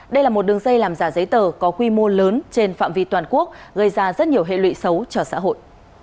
đây là một đường dây làm giả giấy tờ có quy mô lớn trên phạm vi toàn quốc gây ra rất nhiều hệ lụy xấu cho xã hội